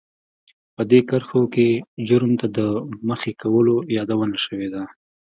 په دې کرښو کې جرم ته د مخې کولو يادونه شوې ده.